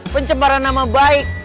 pencemaran nama baik